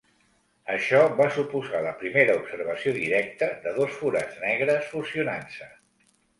Això va suposar la primera observació directa de dos forats negres fusionant-se.